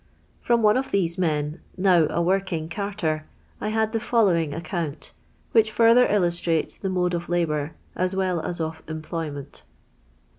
I Prom one of these men, now a working carter, I I had the following account, which further illustrates ! the mode of labour as well as of employment.